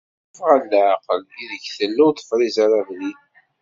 Seg tufɣa n laɛqel i deg i tella, ur tefriẓ ara abrid.